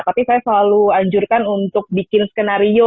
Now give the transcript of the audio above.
tapi saya selalu anjurkan untuk bikin skenario